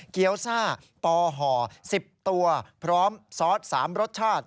เกี้ยวซ่าปอห่อ๑๐ตัวพร้อมซอส๓รสชาติ